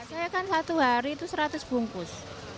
saya kan satu hari itu seratus bungkus